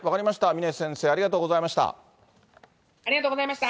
峰先生、ありありがとうございました。